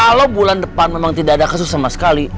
kalau bulan depan memang tidak ada kasus sama sekali